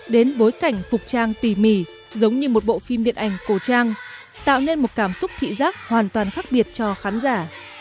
đến bối cảnh phục trang tỉ mỉ giống như một bộ phim điện ảnh cổ trang tạo nên một cảm xúc thị giác hoàn toàn khác biệt cho khán giả